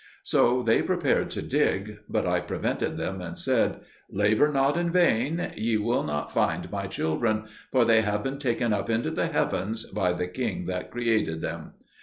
So they prepared to dig; but I prevented them, and said, "Labour not in vain; ye will not find my children, for they have been taken up into the heavens by the King that created them."